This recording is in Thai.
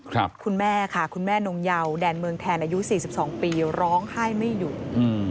คุณแม่ค่ะคุณแม่นงเยาแดนเมืองแทนอายุสี่สิบสองปีร้องไห้ไม่หยุดอืม